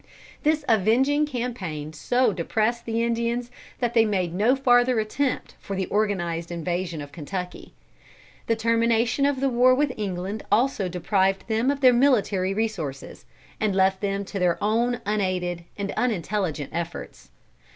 This avenging campaign so depressed the Indians that they made no farther attempt for the organised invasion of Kentucky. The termination of the war with England also deprived them of their military resources, and left them to their own unaided and unintelligent efforts.